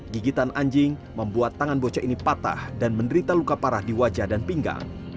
gigitan anjing membuat tangan bocah ini patah dan menderita luka parah di wajah dan pinggang